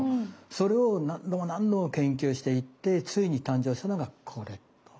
それを何度も何度も研究していってついに誕生したのがこれ。